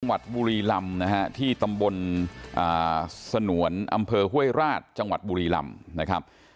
จังหวัดบุรีลำที่ตำบลสนวนอำเภอห้วยราชจังหวัดบุรีลำ